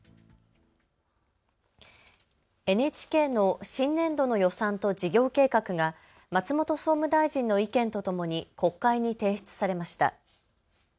ＮＨＫの新年度の予算と事業計画が松本総務大臣の意見とともに国会に提出されました。